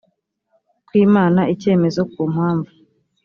kwimana icyemezo ku mpamvu